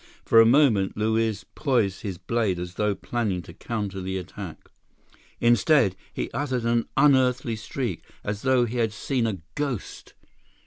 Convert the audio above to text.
For a moment, Luiz poised his blade as though planning to counter the attack. Instead, he uttered an unearthly shriek, as though he had seen a ghost.